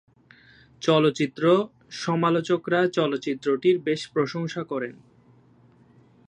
চলচ্চিত্র সমালোচকরা চলচ্চিত্রটির বেশ প্রশংসা করেন।